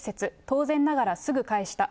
当然ながらすぐ返した。